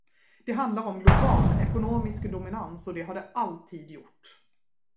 Det handlar om global ekonomisk dominans och det har det alltid gjort.